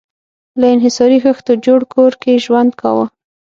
له انحصاري خښتو جوړ کور کې ژوند کاوه.